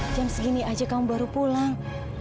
jam segini aja kamu baru pulang